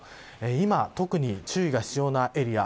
今、特に注意が必要なエリア。